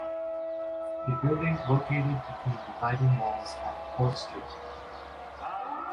A building located between dividing walls at Cort Street.